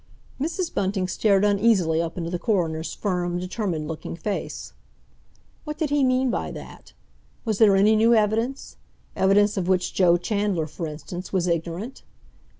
Mrs. Bunting stared uneasily up into the coroner's firm, determined looking face. What did he mean by that? Was there any new evidence—evidence of which Joe Chandler, for instance, was ignorant?